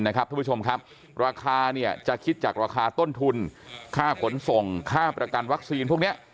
ทุกผู้ชมครับราคาจะคิดจากราคาต้นทุนค่าขนส่งค่าประกันวัคซีนพวกนี้